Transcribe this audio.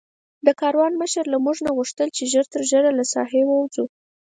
د کاروان مشر له موږ نه وغوښتل چې ژر تر ژره له ساحې ووځو.